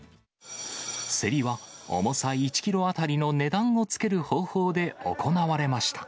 競りは重さ１キロ当たりの値段をつける方法で行われました。